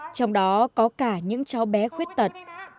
trong đó có cả những cháu bé khuyết tật